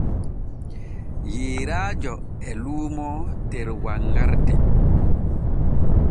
Yeeraajo e luumoo der wanŋarde.